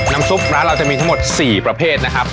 ซุปร้านเราจะมีทั้งหมด๔ประเภทนะครับ